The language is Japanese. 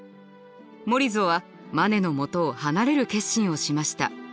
モリゾはマネのもとを離れる決心をしました。